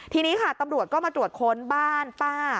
ทีนี้ค่ะตำรวจก็มาตรวจค้นบ้านป้า